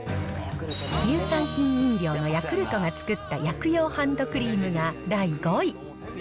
乳酸菌飲料のヤクルトが作った薬用ハンドクリームが第５位。